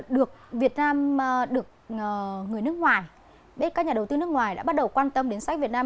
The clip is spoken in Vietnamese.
được việt nam được người nước ngoài biết các nhà đầu tư nước ngoài đã bắt đầu quan tâm đến sách việt nam